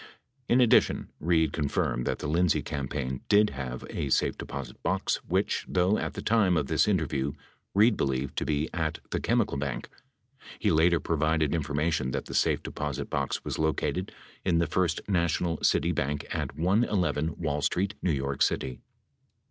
In addition, Reid confirmed that the Lindsay campaign did have a safe deposit box which, though at the time of this interview Reid believed to be at the Chemical Bank, he later provided information that the safe deposit box was located in the First National City Bank at 111 Wall Street, New York City.